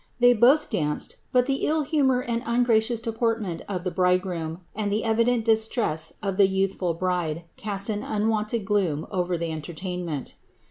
They both danced ; but the ill humour and Qiigracious deportment of the bridegroom, and the evident distress of the youthfid bride, cast an unwonted gloom over the entertainment.